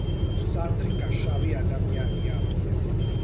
სანდრიკა შავი ადამიანია